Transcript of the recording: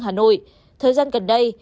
hà nội thời gian gần đây